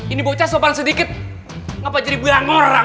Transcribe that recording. ini bocah sopan sedikit apa jadi berang orang